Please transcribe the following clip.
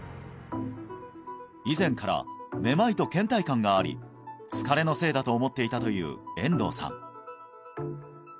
以前からめまいとけん怠感があり疲れのせいだと思っていたという遠藤さん